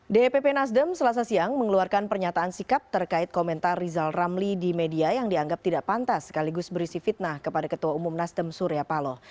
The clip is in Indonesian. dpp nasdem selasa siang mengeluarkan pernyataan sikap terkait komentar rizal ramli di media yang dianggap tidak pantas sekaligus berisi fitnah kepada ketua umum nasdem surya paloh